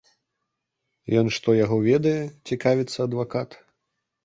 Ён што, яго ведае, цікавіцца адвакат.